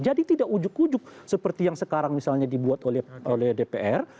jadi tidak ujug ujug seperti yang sekarang misalnya dibuat oleh dpr